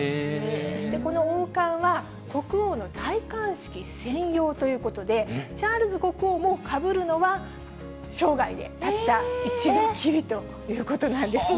そしてこの王冠は国王の戴冠式専用ということで、チャールズ国王もかぶるのは、生涯でたった一度きりということなんですね。